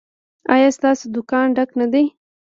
ایا ستاسو دکان ډک نه دی؟